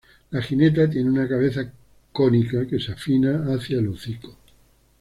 La jineta tiene una cabeza cónica que se afina hacia el hocico.